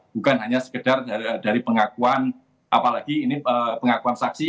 bukan hanya sekedar dari pengakuan apalagi ini pengakuan saksi